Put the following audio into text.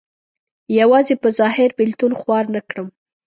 یوازې په ظاهر بېلتون خوار نه کړم.